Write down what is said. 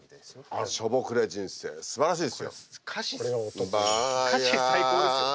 これ歌詞最高ですよね。